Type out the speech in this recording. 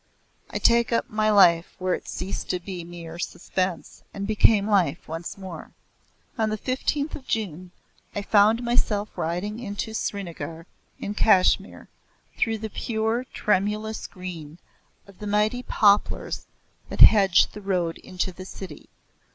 I take up my life where it ceased to be a mere suspense and became life once more. On the 15th of June, I found myself riding into Srinagar in Kashmir, through the pure tremulous green of the mighty poplars that hedge the road into the city.